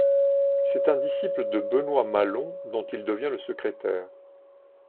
C'est un disciple de Benoît Malon dont il devient le secrétaire.